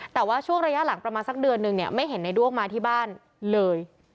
แต่ว่าช่วงระยะหลังประมาณสักเดือนนึงเนี่ยไม่เห็นในด้วงมาที่บ้านเลย